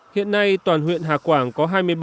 hiện nay toàn huyện hà quảng có hai mươi bảy hợp tác xã